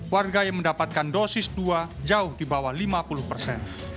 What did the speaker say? warga yang mendapatkan dosis dua jauh di bawah lima puluh persen